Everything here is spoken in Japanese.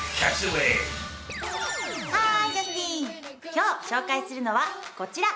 今日紹介するのはこちら。